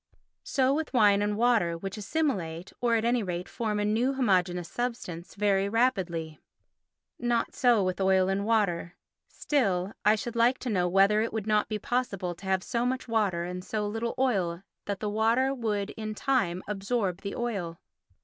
So with wine and water which assimilate, or at any rate form a new homogeneous substance, very rapidly. Not so with oil and water. Still, I should like to know whether it would not be possible to have so much water and so little oil that the water would in time absorb the oil.